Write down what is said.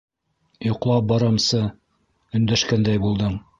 Йоҡлап барамсы... өндәшкәндәй булдың.